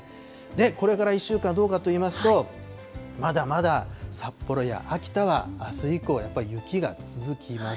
これから１週間、どうかといいますと、まだまだ札幌や秋田はあす以降、やっぱり雪が続きます。